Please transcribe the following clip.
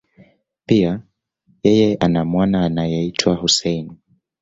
Pia, yeye ana mwana anayeitwa Hussein.